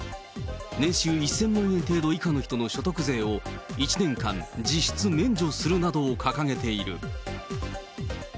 年収１０００万円程度以下の人の所得税を１年間、実質免除するなどを掲げている。